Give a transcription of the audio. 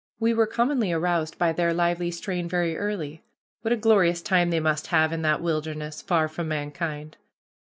We were commonly aroused by their lively strain very early. What a glorious time they must have in that wilderness, far from mankind!